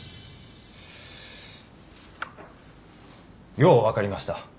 よう分かりました。